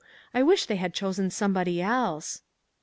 I wish they had chosen anybody else."